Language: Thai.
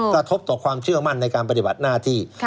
กระทบต่อความเชื่อมั่นในการปฏิบัติหน้าที่